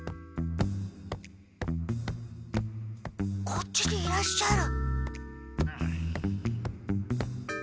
こっちにいらっしゃる。